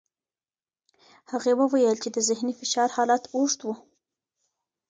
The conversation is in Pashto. هغې وویل چې د ذهني فشار حالت اوږد و.